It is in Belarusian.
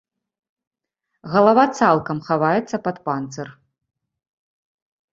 Галава цалкам хаваецца пад панцыр.